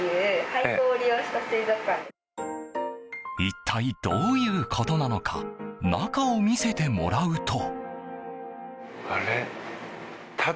一体どういうことなのか中を見せてもらうと。